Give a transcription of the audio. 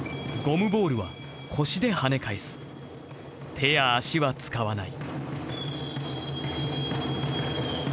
手や足は使わない。